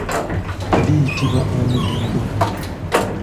Liyitibwa omuguddo.